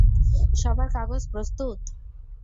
সবার কাগজ প্রস্তুত?